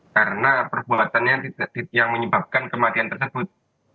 karena perbuatannya yang menyebabkan kematian tersebut